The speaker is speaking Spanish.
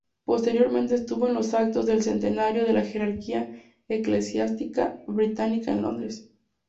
Posteriormente estuvo en los actos del centenario de la jerarquía eclesiástica británica en Londres.